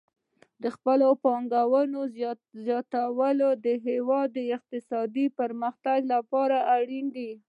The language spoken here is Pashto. د خپلواکې پانګونې زیاتوالی د هیواد د اقتصادي پرمختګ لپاره اړین دی.